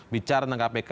bicara dengan kpk